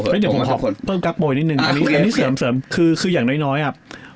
พูดถึงกรักโป้เดี๋ยวผมพอเพิ่มกรักโป้นิดนึงอันนี้เสริมคืออย่างน้อยอ่ะ